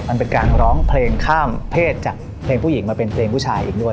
มันเป็นการร้องเพลงข้ามเพศจากเพลงผู้หญิงมาเป็นเพลงผู้ชายอีกด้วย